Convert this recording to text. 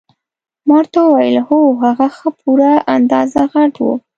ما ورته وویل هو هغه ښه په پوره اندازه غټ وو.